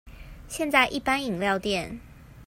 現在一般飲料店